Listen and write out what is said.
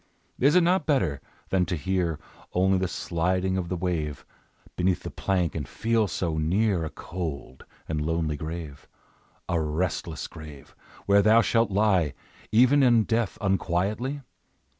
Is it not better, than to hear Only the sliding of the wave Beneath the plank, and feel so near A cold and lonely grave, A restless grave, where thou shalt lie Even in death unquietly?